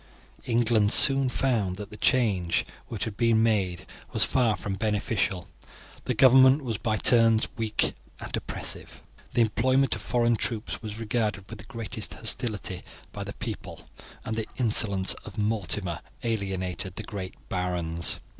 England soon found that the change which had been made was far from beneficial. The government was by turns weak and oppressive. The employment of foreign troops was regarded with the greatest hostility by the people, and the insolence of Mortimer alienated the great barons.